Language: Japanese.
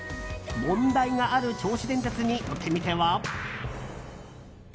問題がある銚子電鉄に行ってみては？